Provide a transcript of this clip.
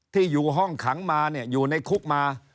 ที่อยู่ห้องขังมาเนี่ยอยู่ในคุกมา